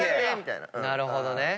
なるほどね。